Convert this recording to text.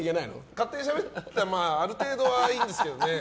勝手にしゃべるのはある程度はいいですけどね。